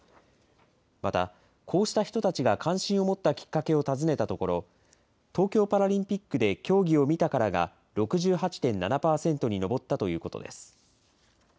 またこうした人たちが関心を持ったきっかけを尋ねたところ、東京パラリンピックで競技を見たからが６８．７％に上ったということです。